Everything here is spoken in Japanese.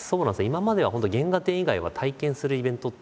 今までは本当原画展以外は体験するイベントって。